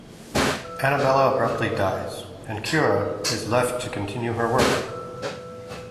Annabella abruptly dies, and Kira is left to continue her work.